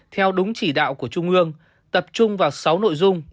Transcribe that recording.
hai nghìn hai mươi một hai nghìn ba mươi theo đúng chỉ đạo của trung ương tập trung vào sáu nội dung